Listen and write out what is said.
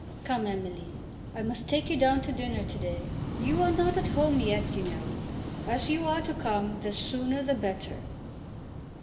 "Come, Emily, I must take you down to dinner to day. You are not at home yet, you know. As you are to come, the sooner the better."